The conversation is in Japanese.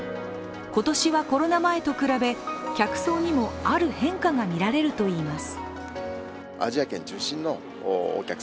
今年はコロナ前と比べ客層にもある変化がみられるといいます。